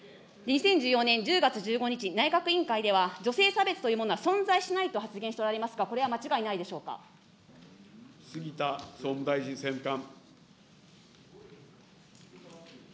２０１４年１０月１５日、内閣委員会では、女性差別というものは存在しないと発言しておられますが、これは杉田総務大臣政務官。